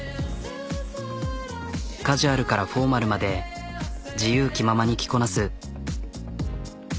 カジュアルからフォーマルまで自由気ままに着こなす。